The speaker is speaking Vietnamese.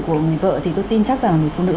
của người vợ thì tôi tin chắc rằng người phụ nữ